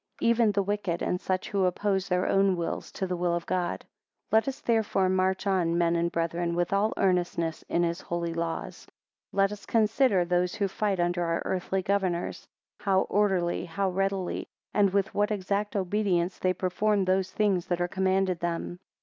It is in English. even the wicked, and such who oppose their own wills to the will of God. 24 Let us therefore march on, men and brethren, with all earnestness in his holy laws. 25 Let us consider those who fight under our, earthly governors How orderly, how readily, and with what exact obedience they perform those things that are commanded them.